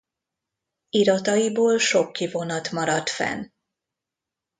Irataiból sok kivonat maradt fenn.